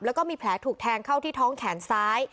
แล้วก็มีแผลถูกแทงเข้าที่ท้องแขนซ้าย